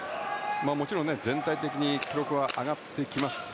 もちろん、全体的に記録は上がってきます。